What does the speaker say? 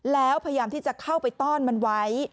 แล้วพยายามที่จะเข้าไปต้อนมันไว้